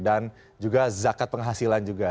dan juga zakat penghasilan juga